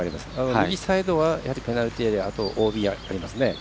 右サイドはやはりペナルティーエリアＯＢがあります。